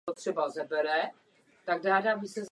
Páru se podařilo uniknout do Západního Německa.